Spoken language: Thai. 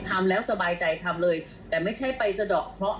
ทำแล้วสบายใจทำเลยแต่ไม่ใช่ไปสะดอกเคราะห